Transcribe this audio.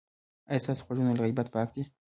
ایا ستاسو غوږونه له غیبت پاک دي؟